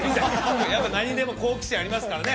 何にでも好奇心ありますからね